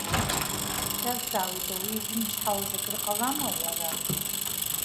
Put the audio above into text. Сшәазҵаауеит, ауаҩы изымчҳауаз акыр ҟалама, уара!